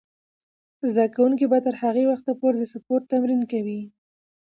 زده کوونکې به تر هغه وخته پورې د سپورت تمرین کوي.